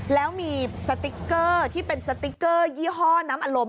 แล้วมีสติ๊กเกอร์ที่เป็นสติ๊กเกอร์ยี่ห้อน้ำอารมณ์